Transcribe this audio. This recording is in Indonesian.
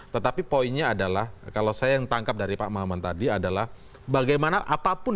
tetapi poinnya adalah kalau saya yang tangkap dari pak mahaman tadi adalah bagaimana apapun